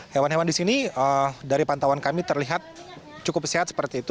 hewan hewan di sini dari pantauan kami terlihat cukup sehat seperti itu